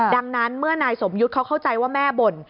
ดังนั้นเมื่อนายสมยุทธ์เขาเข้าใจว่าแม่บ่น